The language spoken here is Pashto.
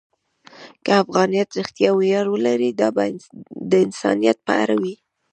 که افغانیت رښتیا ویاړ ولري، دا به د انسانیت په اړه وي.